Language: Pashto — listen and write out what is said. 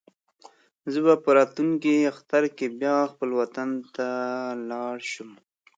زه به په راتلونکي اختر کې بیا خپل وطن ته لاړ شم.